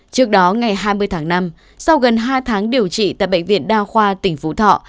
trước đó ngày hai mươi tháng năm sau gần hai tháng điều trị tại bệnh viện đa khoa tỉnh phú thọ